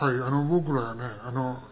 僕らはね